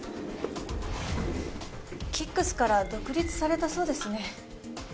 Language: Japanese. ＫＩＣＫＳから独立されたそうですね。